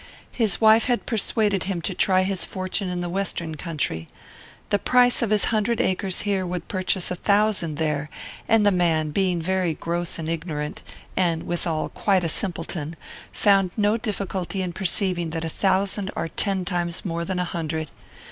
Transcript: His wife had persuaded him to try his fortune in the Western country. The price of his hundred acres here would purchase a thousand there, and the man, being very gross and ignorant, and, withal, quite a simpleton, found no difficulty in perceiving that a thousand are ten times more than a hundred.